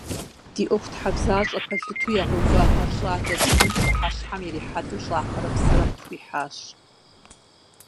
Ди ӀуэхутхьэбзащӀэ пэлъытэу ягъэува гъэр щӀалэ цӀыкӀум пщыхьэщхьэм ирихьэлӀэу щӀакхъуэрэ псырэ къытхуихьащ.